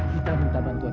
kita minta bantuan